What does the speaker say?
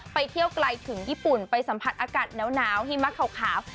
ไปเที่ยวไกลถึงญี่ปุ่นไปสัมผัสอากาศหนาวหิมะขาว